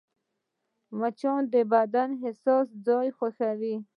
مچان د بدن حساس ځایونه خوښوي